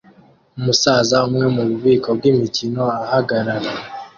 Umusaza umwe mububiko bwimikino ahagarara